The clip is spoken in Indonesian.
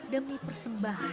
demi persembahan yang memikat